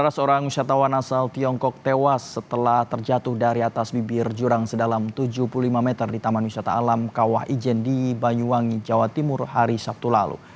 seorang wisatawan asal tiongkok tewas setelah terjatuh dari atas bibir jurang sedalam tujuh puluh lima meter di taman wisata alam kawah ijen di banyuwangi jawa timur hari sabtu lalu